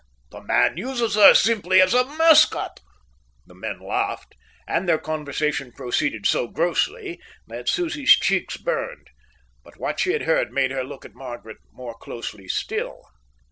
The man uses her simply as a mascot." The men laughed, and their conversation proceeded so grossly that Susie's cheeks burned. But what she had heard made her look at Margaret more closely still.